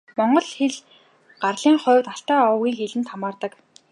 Монгол хэл гарлын хувьд Алтай овгийн хэлэнд хамаардаг.